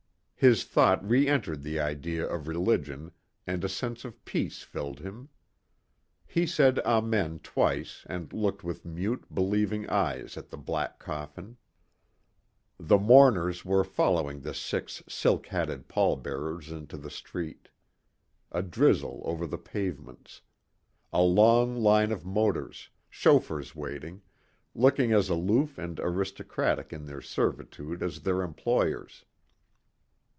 His thought re entered the idea of religion and a sense of peace filled him. He said Amen twice and looked with mute, believing eyes at the black coffin. The mourners were following the six silk hatted pall bearers into the street. A drizzle over the pavements. A long line of motors, chauffeurs waiting, looking as aloof and aristocratic in their servitude as their employers.